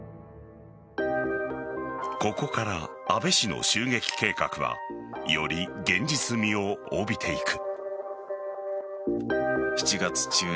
ここから安倍氏の襲撃計画はより現実味を帯びていく。